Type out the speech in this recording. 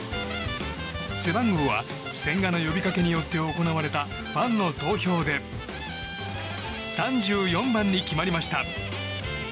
背番号は千賀の呼びかけによって行われたファンの投票で３４番に決まりました。